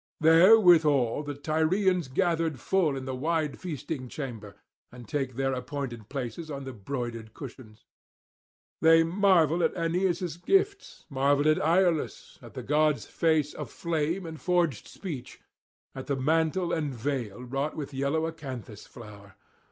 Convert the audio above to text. Therewithal the Tyrians are gathered full in the wide feasting chamber, and take their appointed places on the broidered cushions. They marvel at Aeneas' gifts, marvel at Iülus, at the god's face aflame and forged speech, at the mantle and veil wrought with yellow acanthus flower.